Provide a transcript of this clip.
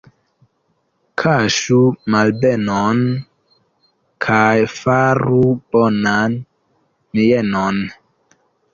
Kaŝu malbenon kaj faru bonan mienon.